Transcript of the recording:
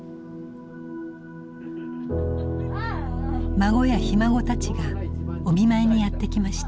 孫やひ孫たちがお見舞いにやって来ました。